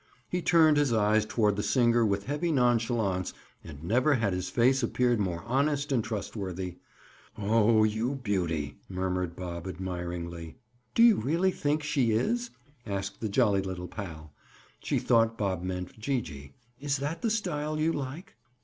He turned his eyes toward the singer with heavy nonchalance and never had his face appeared more honest and trustworthy. "Oh, you beauty!" murmured Bob admiringly. "Do you really think she is?" asked the jolly little pal. She thought Bob meant Gee gee. "Is that the style you like?"